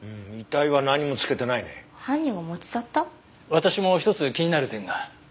私も１つ気になる点が。